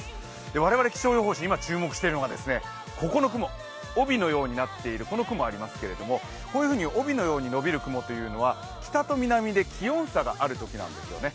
我々気象予報士今注目しているのがここの雲、帯のようになっているこの雲がありますけれどもこのように帯のようになっている雲は北と南で気温差があるときなんですね。